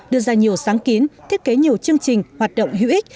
đưa ra nhiều sáng kiến thiết kế nhiều chương trình hoạt động hữu ích